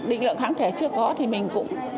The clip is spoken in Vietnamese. định lượng kháng thể chưa có thì mình cũng